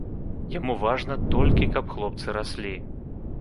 Яму важна толькі, каб хлопцы раслі.